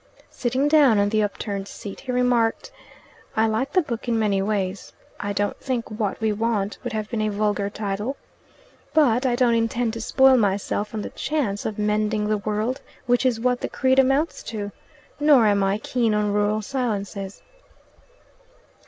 Sitting down on the upturned seat, he remarked, "I like the book in many ways. I don't think 'What We Want' would have been a vulgar title. But I don't intend to spoil myself on the chance of mending the world, which is what the creed amounts to. Nor am I keen on rural silences."